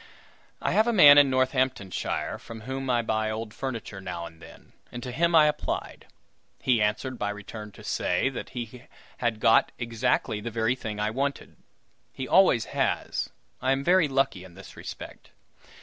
I have a man in Northamptonshire from whom I buy old furniture now and then, and to him I applied. He answered by return to say that he had got exactly the very thing I wanted. (He always has. I am very lucky in this respect.)